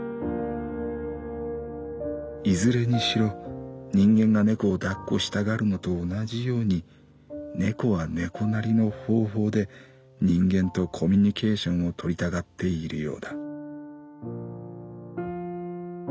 「いずれにしろ人間が猫を抱っこしたがるのと同じように猫は猫なりの方法で人間とコミュニケーションを取りたがっているようだ」。